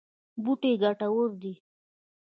بوټي ګټور دي.